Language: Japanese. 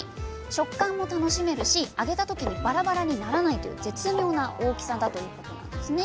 食感も楽しめるし揚げた時にバラバラにならないという絶妙な大きさだということなんですね。